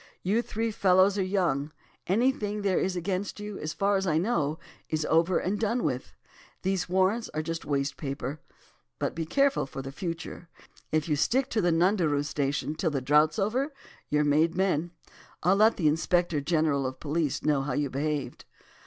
You three fellows are young. Anything there is against you, as far as I know, is over and done with. These warrants are just waste paper. But be careful for the future. If you stick to the Nundooroo station till the drought's over, you're made men. I'll let the Inspector General of Police know how you behaved.